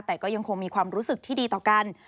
แต่ก็ยังคงมีความรู้สึกที่ดีต่อกัน